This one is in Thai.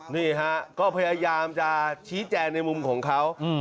นี่ฮะก็พยายามจะชี้แจงในมุมของเขา